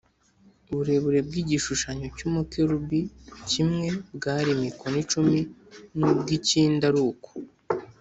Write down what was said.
Uburebure bw’igishushanyo cy’umukerubi kimwe bwari mikono cumi, n’ubw’ikindi ari uko